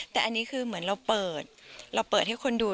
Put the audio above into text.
แต่อันนี้คือเหมือนเราเปิด